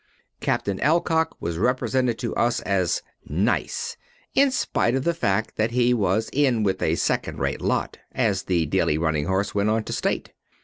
Captain Alcock was represented to us as "nice" in spite of the fact that he was "in with a second rate lot," as The Daily Running Horse went on to state.